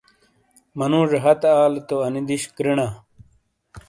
منوجے ہتے آلے تو انی دش کرینا۔